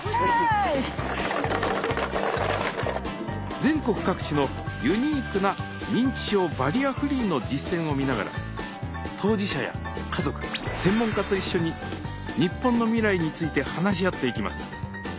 全国各地のユニークな認知症バリアフリーの実践を見ながら当事者や家族専門家と一緒に日本の未来について話し合っていきます。